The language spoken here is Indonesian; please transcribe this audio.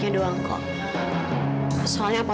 senangnya a spotik improvement